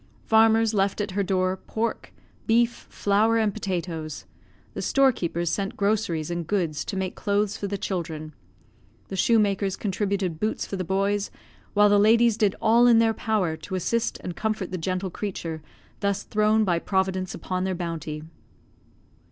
Farmers left at her door, pork, beef, flour, and potatoes; the storekeepers sent groceries and goods to make clothes for the children; the shoemakers contributed boots for the boys; while the ladies did all in their power to assist and comfort the gentle creature thus thrown by Providence upon their bounty.